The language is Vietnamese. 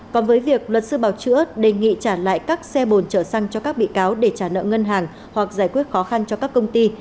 còn với việc luật sư bảo chữa đề nghị trả lại các xe bồn chở xăng cho các bị cáo để trả nợ ngân hàng hoặc giải quyết khó khăn cho các công ty